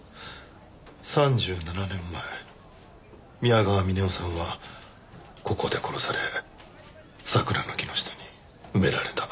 ３７年前宮川峰夫さんはここで殺され桜の木の下に埋められた。